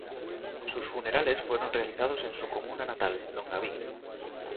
Sus funerales fueron realizados en su comuna natal, Longaví.